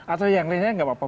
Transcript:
atau yang lainnya nggak apa apa